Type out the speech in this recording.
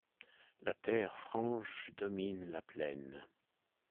La terre franche domine la plaine.